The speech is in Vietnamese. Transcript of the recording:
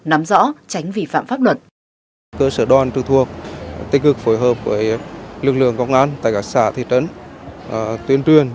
nắm rõ tránh vi phạm pháp luật